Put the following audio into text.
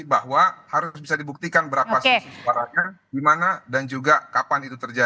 karena harus bisa dibuktikan berapa suara gimana dan juga kapan itu terjadi